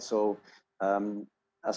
semua orang terpaksa